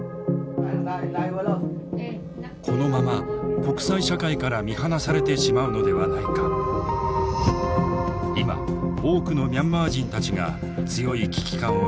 このまま国際社会から見放されてしまうのではないか今多くのミャンマー人たちが強い危機感を抱いている。